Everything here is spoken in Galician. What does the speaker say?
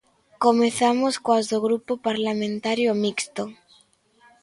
Comezamos coas do Grupo Parlamentario Mixto.